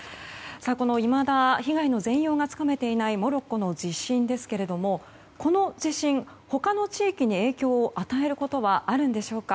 いまだ被害の全容がつかめていないモロッコの地震ですけれどもこの地震他の地域に影響を与えることはあるんでしょうか。